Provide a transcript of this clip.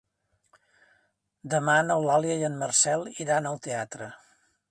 Demà n'Eulàlia i en Marcel iran al teatre.